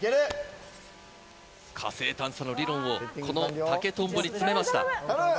・火星探査の理論をこの竹とんぼに詰めました。